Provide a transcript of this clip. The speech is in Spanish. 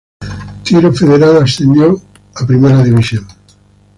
Tiro Federal ascendió a Primera División.